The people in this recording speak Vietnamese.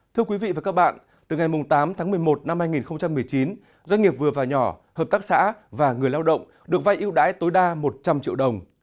thưa quý vị và các bạn từ ngày tám tháng một mươi một năm hai nghìn một mươi chín doanh nghiệp vừa và nhỏ hợp tác xã và người lao động được vay yêu đáy tối đa một trăm linh triệu đồng